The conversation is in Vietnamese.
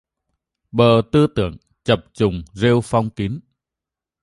Bờ tư tưởng chập chùng rêu phong kín